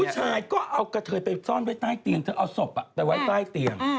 ผู้ชายก็เอากระเทยไปซ่อนไว้ใต้เตียงเธอเอาศพไปไว้ใต้เตียง